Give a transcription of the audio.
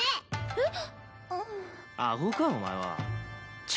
えっ？